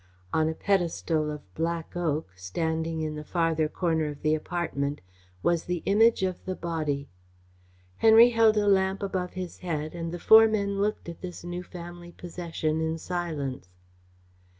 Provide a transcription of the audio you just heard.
On a pedestal of black oak, standing in the farther corner of the apartment, was the Image of the Body. Henry held a lamp above his head and the four men looked at this new family possession in silence.